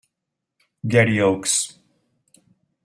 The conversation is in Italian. Gary Oakes